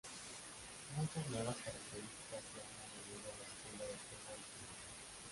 Muchas nuevas características se han añadido a la secuela del juego original.